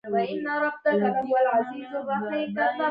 دا به زموږ مجبوري وي چې تشکیلات جوړ کړو.